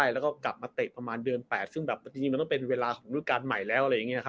แล้วก็กลับมาเตะประมาณเดือน๘ซึ่งมันต้องเป็นเวลาของฤดูการใหม่แล้ว